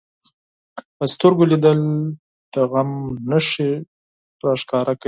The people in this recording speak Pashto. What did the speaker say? په سترګو لیدل د غم نښې راښکاره کوي